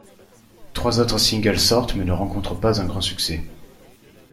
Trois autres singles sortent mais ne rencontrent pas un grand succès.